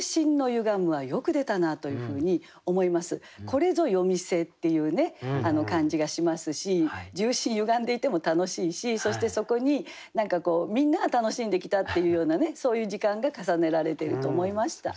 これぞ夜店っていうね感じがしますし銃身歪んでいても楽しいしそしてそこに何かみんなが楽しんできたっていうようなねそういう時間が重ねられてると思いました。